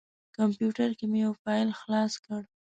کمپیوټر کې مې یو فایل خلاص کړ.